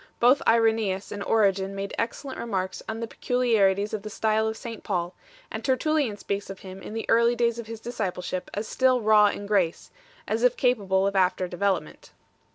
Both Irenseus 2 and Origen 3 made excellent remarks on the peculiarities of the style of St Paul, and Tertullian speaks of him in the early days of his discipleship as still raw in grace 4 , as if capable of after development.